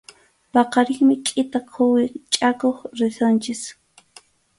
Paqarinmi kʼita quwi chakuq risunchik.